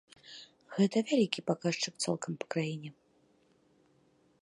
Гэта вялікі паказчык цалкам па краіне.